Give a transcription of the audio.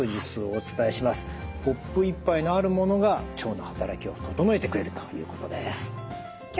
コップ１杯のあるものが腸の働きを整えてくれるということです。